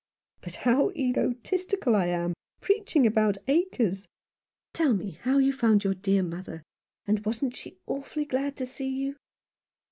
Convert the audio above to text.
But how egotistical I am, preaching about acres. Tell me how you found your dear mother — and wasn't she awfully glad to see you